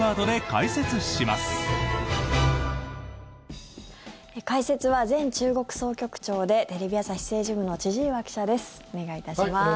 解説は前中国総局長でテレビ朝日政治部の千々岩記者です。